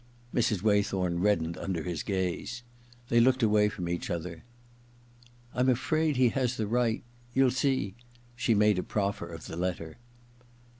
Mrs. Waythorn reddened under his gaze. They looked away from each other. •I'm afrsud he has the right. ..• You'll see. .•.' She made a proffer of the letter.